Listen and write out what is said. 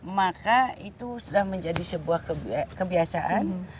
maka itu sudah menjadi sebuah kebiasaan